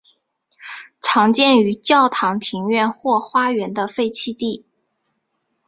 常见于教堂庭院或花园的废弃地。